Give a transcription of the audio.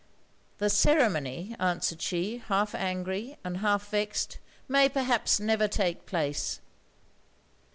'The ceremony,' answered she, half angry and half vexed, 'may perhaps never take place.'